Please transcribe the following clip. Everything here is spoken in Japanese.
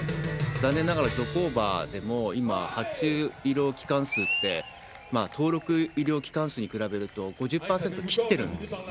残念ながら、ゾコーバでも今、発注医療機関数って、登録医療機関数に比べると、５０％切ってるんですよね。